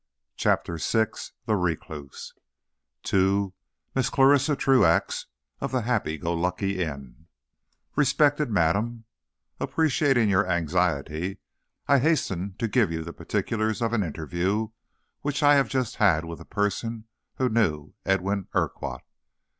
CHAPTER VI. THE RECLUSE. To Mrs. Clarissa Truax, of the Happy go lucky Inn: RESPECTED MADAM: Appreciating your anxiety, I hasten to give you the particulars of an interview which I have just had with a person who knew Edwin Urquhart.